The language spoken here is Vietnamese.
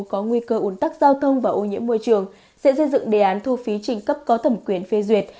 có nguy cơ ủn tắc giao thông và ô nhiễm môi trường sẽ xây dựng đề án thu phí trình cấp có thẩm quyền phê duyệt